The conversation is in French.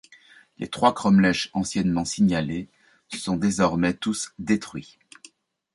Les trois cromlechs anciennement signalés sont désormais tous détruits.